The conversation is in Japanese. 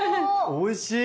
おいしい！